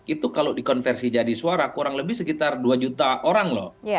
itu kalau dikonversi jadi suara kurang lebih sekitar dua juta orang loh